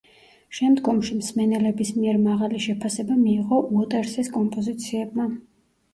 შემდგომში მსმენელების მიერ მაღალი შეფასება მიიღო უოტერსის კომპოზიციებმა.